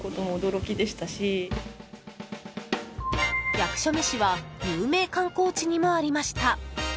役所メシは有名観光地にもありました。